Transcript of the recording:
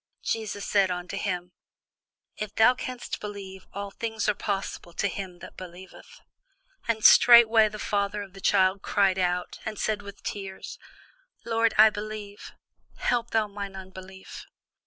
Jesus said unto him, If thou canst believe, all things are possible to him that believeth. And straightway the father of the child cried out, and said with tears, Lord, I believe; help thou mine unbelief.